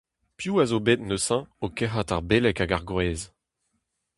Piv a zo bet neuze o kerc'hat ar beleg hag ar groaz ?